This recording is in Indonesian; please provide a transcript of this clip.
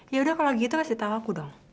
yaudah kalau gitu kasih tahu aku dong